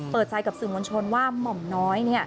เปิดใจกับสื่อมวลชนว่าหม่อมน้อย